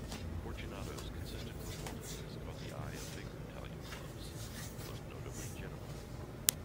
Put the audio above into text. Fortunato's consistent performances caught the eye of bigger Italian clubs - most notably Genoa.